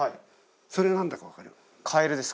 それ何だか分かります？